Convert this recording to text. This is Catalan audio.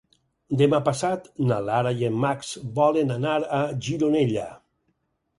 Demà passat na Lara i en Max volen anar a Gironella.